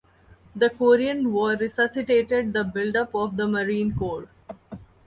The Korean War resuscitated the buildup of the Marine Corps.